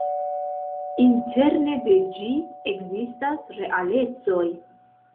Interne de ĝi ekzistas realecoj.